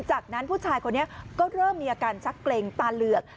จากนั้นผู้ชายคนนี้ก็เริ่มมีอาการชักเกร็งตาเหลือก